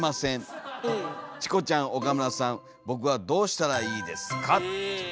チコちゃん岡村さんぼくはどうしたら良いですか」。